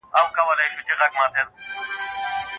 ماشومان د پلار د لارښوونو په پایله کې زده کړه کوي.